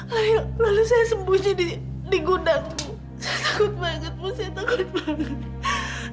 lalu lalu saya sembunyi di gudangku saya takut banget mama saya takut banget